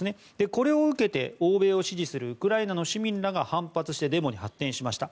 これを受けて欧米を支持するウクライナの市民らが反発してデモに発展しました。